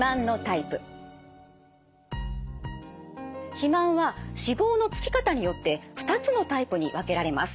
肥満は脂肪の付き方によって２つのタイプに分けられます。